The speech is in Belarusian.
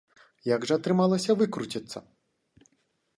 Як жа атрымалася выкруціцца?